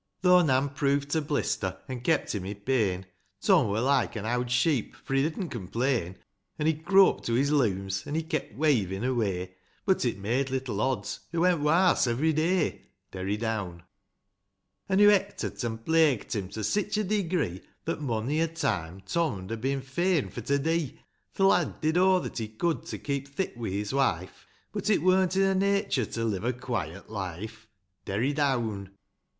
IX. Though Nan prove't a blister, an' kept him i' pain, Tom wur like an owd sheep, for he didn't complain : An' he crope to his looms, an' kept weighvin' away ; But, it made little odds, hoo went warse ev'ry day. Derry down. X. An' hoo hector't, an' plague't him, to sich a degree, That, mony a time, Tom'd ha' bin fain for to dee ; Th' lad did o' that he could to keep thick wi' his wife, Rut, it wurn't in her natur' to live a quiet life. Derry down.